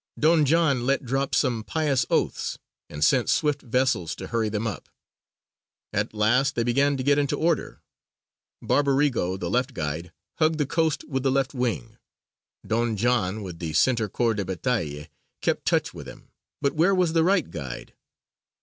Don John let drop some pious oaths, and sent swift vessels to hurry them up. At last they began to get into order. Barbarigo, the "left guide," hugged the coast with the left wing; Don John with the centre corps de bataille kept touch with him; but where was the "right guide"?